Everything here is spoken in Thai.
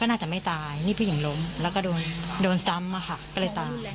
ก็น่าจะไม่ตายนี่พี่หญิงล้มแล้วก็โดนซ้ำมาหากิ๑๙๑๔